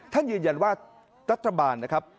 ท่านยืนยันว่ารัฐบาลนะครับ